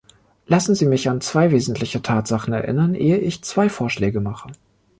Lassen Sie mich an zwei wesentliche Tatsachen erinnern, ehe ich zwei Vorschläge mache.